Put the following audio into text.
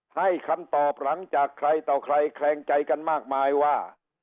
ให้คำตอบหลังจากใครต่อใครแคลงใจกันมากมายว่า